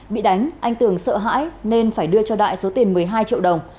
bị đánh anh tường sợ hãi nên phải đưa cho đại số tiền một mươi hai triệu đồng